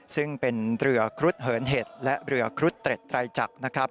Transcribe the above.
ซึ่งเป็นเรือครุฑเหินเห็ดและเรือครุฑเตร็ดไตรจักรนะครับ